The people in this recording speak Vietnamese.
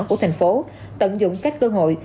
của thành phố tận dụng các cơ hội